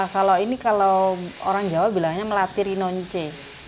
kalau ini orang jawa bilangnya melati rinonce